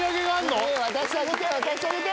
渡してあげて渡してあげて。